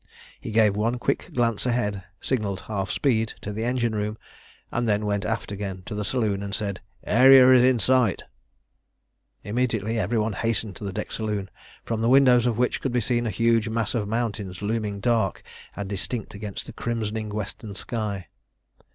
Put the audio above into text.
He gave one quick glance ahead, signalled "half speed" to the engine room, and then went aft again to the saloon, and said "Aeria is in sight!" Immediately everyone hastened to the deck saloon, from the windows of which could be seen a huge mass of mountains looming dark and distinct against the crimsoning western sky.